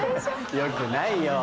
良くないよ。